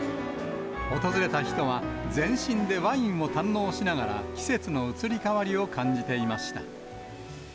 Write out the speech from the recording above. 訪れた人は、全身でワインを堪能しながら、季節の移り変わりを感じていました。